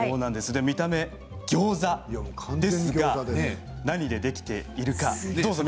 見た目ギョーザですが何でできているか。